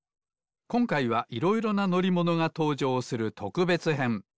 こんかいはいろいろなのりものがとうじょうするとくべつへん。